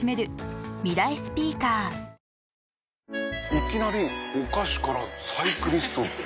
いきなりお菓子からサイクリスト。